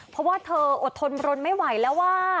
เพราะว่าเธออดทนรนไม่ไหวแล้วว่า